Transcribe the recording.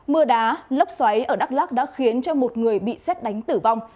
mưa đá lốc xoáy ở đắk lắc đã khiến cho một người bị xét đánh tử vong